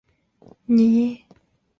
带双亲前往澳门输到脱裤